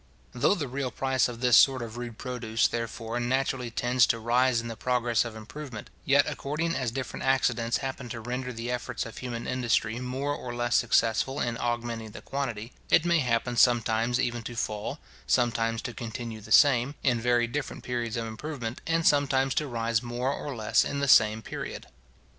Though the real price of this sort of rude produce, therefore, naturally tends to rise in the progress of improvement, yet, according as different accidents happen to render the efforts of human industry more or less successful in augmenting the quantity, it may happen sometimes even to fall, sometimes to continue the same, in very different periods of improvement, and sometimes to rise more or less in the same period.